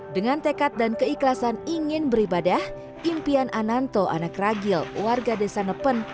dengan tekad dan keikhlasan ingin beribadah impian ananto anak ragil warga desa nepen